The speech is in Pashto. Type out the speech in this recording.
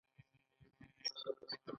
دا دوه صفتونه په لاندې ډول دي.